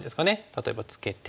例えばツケて。